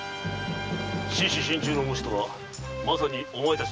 獅子身中の虫とはまさにお前たちのことだ。